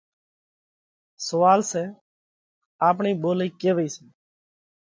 سوئال سئہ آپڻئِي ٻولئِي ڪيوئِي سئہ؟